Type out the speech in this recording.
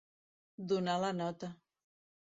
Donar la nota.